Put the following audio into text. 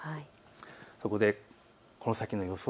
そこでこの先の予想